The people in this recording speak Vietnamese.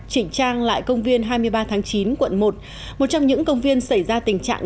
chỉnh trang lại công viên hai mươi ba tháng chín quận một một trong những công viên xảy ra tình trạng